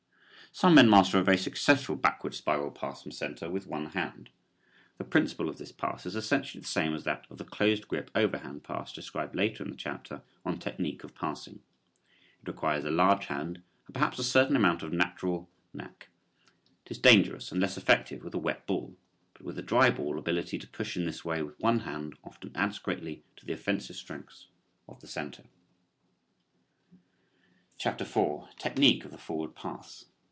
Some men master a very successful backward spiral pass from center with one hand. The principle of this pass is essentially the same as that of the closed grip overhand pass described later in the chapter on technique of passing. It requires a large hand and perhaps a certain amount of natural "knack." It is dangerous and less effective with a wet ball, but with a dry ball ability to pass in this way with one hand often adds greatly to the offensive strength of the center. CHAPTER IV. TECHNIQUE OF THE FORWARD PASS.